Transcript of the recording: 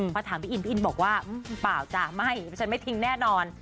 พอถามพี่อินพี่อินบอกว่าเปล่าจ้ะไม่ฉันไม่ทิ้งแน่นอน